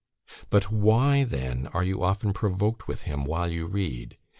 But why, then, are you often provoked with him while you read?